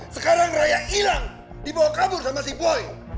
sekarang rai ilang dibawa kabur sama si boy